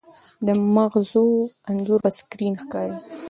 د مغزو انځور په سکرین ښکاري.